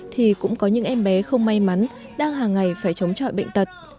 thì cũng có những em bé không may mắn đang hàng ngày phải chống trọi bệnh tật